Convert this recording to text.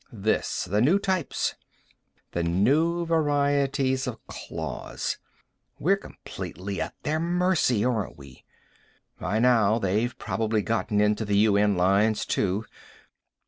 "This, the new types. The new varieties of claws. We're completely at their mercy, aren't we? By now they've probably gotten into the UN lines, too.